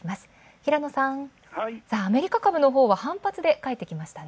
平野さん、アメリカ株のほうが反発で帰ってきましたね。